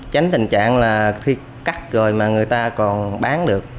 tránh tình trạng là khi cắt rồi mà người ta còn bán được